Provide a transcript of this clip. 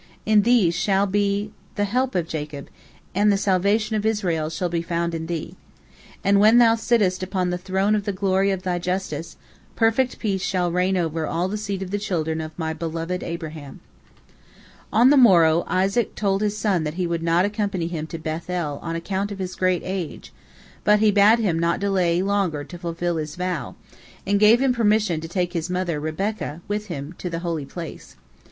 In thee shall be the help of Jacob, and the salvation of Israel shall be found in thee. And when thou sittest upon the throne of the glory of thy justice, perfect peace shall reign over all the seed of the children of my beloved Abraham." On the morrow, Isaac told his son that he would not accompany him to Beth el on account of his great age, but he bade him not delay longer to fulfil his vow, and gave him permission to take his mother Rebekah with him to the holy place.